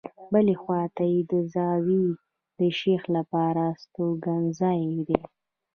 بلې خواته یې د زاویې د شیخ لپاره استوګنځای دی.